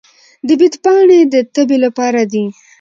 د بید پاڼې د تبې لپاره دي.